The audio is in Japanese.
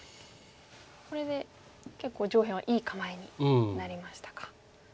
これで結構上辺はいい構えになりましたか。